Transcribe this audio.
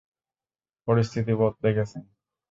পরিস্থিতি বদলে গেছে।